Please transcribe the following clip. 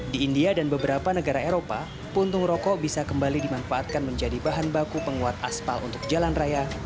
di india dan beberapa negara eropa puntung rokok bisa kembali dimanfaatkan menjadi bahan baku penguat aspal untuk jalan raya